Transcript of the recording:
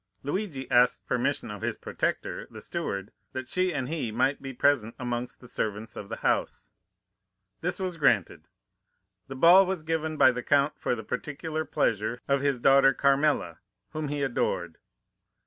Luigi asked permission of his protector, the steward, that she and he might be present amongst the servants of the house. This was granted. The ball was given by the Count for the particular pleasure of his daughter Carmela, whom he adored.